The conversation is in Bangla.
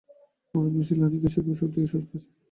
আমরা মেশিন লার্নিং কে শিখবো সবথেকে সহজ ভাষায়।